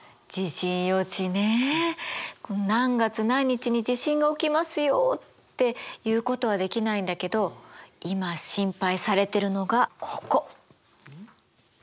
地震予知ね何月何日に地震が起きますよっていうことはできないんだけど今心配されてるのがここ。